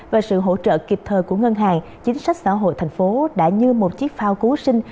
và sự hỗ trợ kịp thời của ngân hàng chính sách xã hội thành phố đã như một chiếc phao cứu sinh